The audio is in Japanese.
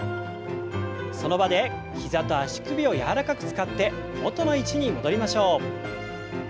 その場で膝と足首を柔らかく使って元の位置に戻りましょう。